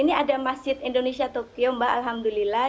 ini ada masjid indonesia tokyo mbak alhamdulillah